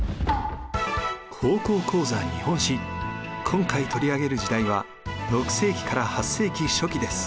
今回取り上げる時代は６世紀から８世紀初期です。